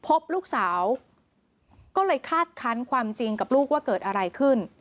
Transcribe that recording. พบลูกสาวก็เลยคาดคันความจริงกับลูกว่าเกิดอะไรขึ้น